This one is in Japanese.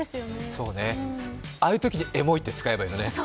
そうね、ああいうときにエモいって使えばいいのね。